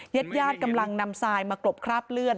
เย็ดย่านกำลังนำทรายมากลบคราบเลือด